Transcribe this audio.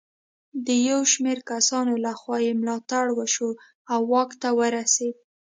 د یو شمېر کسانو له خوا یې ملاتړ وشو او واک ته ورسېد.